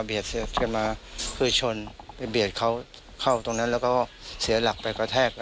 เสียบกันมาคือชนไปเบียดเขาเข้าตรงนั้นแล้วก็เสียหลักไปกระแทก